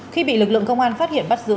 khi bị lực lượng công an phát hiện bắt giữ